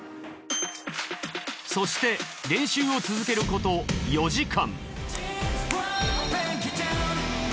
そして練習を続けること４時間。